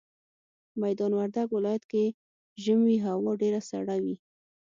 ميدان وردګ ولايت کي ژمي هوا ډيره سړه وي